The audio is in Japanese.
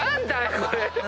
これ。